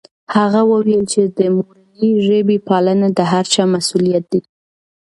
هغه وویل چې د مورنۍ ژبې پالنه د هر چا مسؤلیت دی.